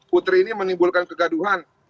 putri ini menimbulkan kegaduhan